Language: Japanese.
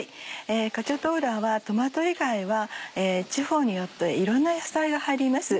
カチャトーラはトマト以外は地方によっていろんな野菜が入ります。